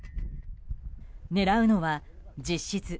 狙うのは実質